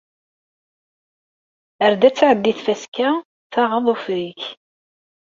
Ar ad tɛeddi tfaska, taɣeḍ ufrik.